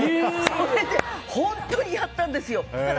それで本当にやったんですよ。